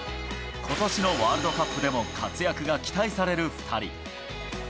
ことしのワールドカップでも活躍が期待される２人。